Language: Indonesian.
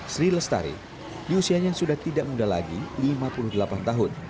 sri lestari di usianya sudah tidak muda lagi lima puluh delapan tahun